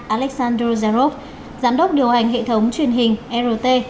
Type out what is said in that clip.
alexander zarov giám đốc điều hành hệ thống truyền hình rt